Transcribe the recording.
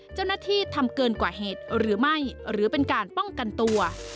เจ้าหน้าที่ทำเกินกว่าเหตุหรือไม่หรือเป็นการป้องกันตัว